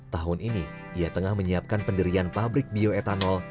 tahun ini ia tengah menyiapkan penderian pabrik bioetanol